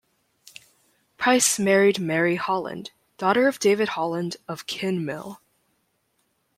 Price married Mary Holland, daughter of David Holland of Kinmel.